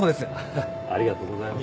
ハハッありがとうございます。